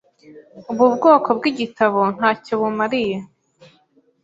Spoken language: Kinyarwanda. Ubu bwoko bwigitabo ntacyo bumariye.